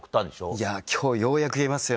いや今日ようやく言えますよ。